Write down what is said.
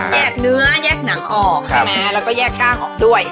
แยกเนื้อแยกหนังออกใช่ไหมแล้วก็แยกกล้างออกด้วย